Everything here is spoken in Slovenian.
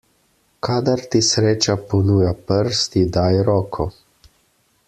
Kadar ti sreča ponuja prst, ji daj roko.